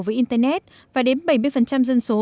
với internet và đến bảy mươi dân số